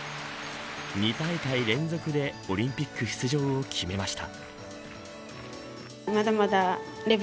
２大会連続でオリンピック出場を決めました。